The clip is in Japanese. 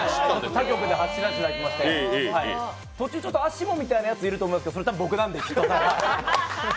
他局で走らせていただきまして、途中アシモみたいなやついると思うんですけどそれ多分、僕なんで。